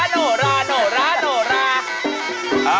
โนะราโนะรา